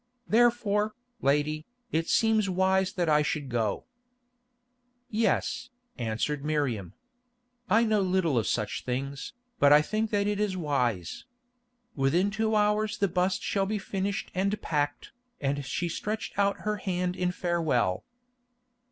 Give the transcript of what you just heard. Therefore, lady, it seems wise that I should go." "Yes," answered Miriam. "I know little of such things, but I think that it is wise. Within two hours the bust shall be finished and packed," and she stretched out her hand in farewell.